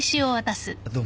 どうも。